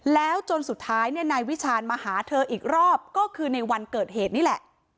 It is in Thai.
แล้วจนสุดท้ายเนี่ยนายวิชาญมาหาเธออีกรอบก็คือในวันเกิดเหตุนี่แหละ